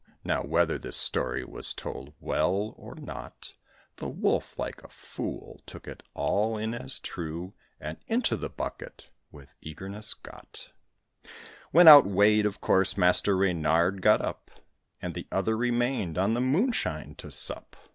Now, whether this story was told well, or not, The Wolf, like a fool, took it all in as true, And into the bucket with eagerness got; When, outweighed, of course, Master Reynard got up, And the other remained, on the moonshine to sup.